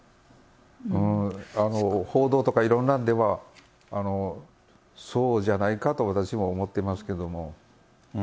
報道とかいろんなんでは、そうじゃないかと私も思っていますけれども。